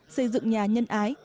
xây dựng nhà nhân ái